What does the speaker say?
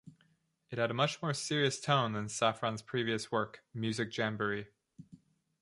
It had a much more serious tone than Safran's previous work "Music Jamboree".